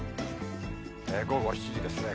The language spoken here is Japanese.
午後７時ですね。